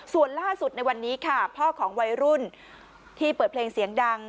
ส่วนล่าสุดในวันนี้ค่ะพ่อของวัยรุ่นที่เปิดเพลงเสียงดัง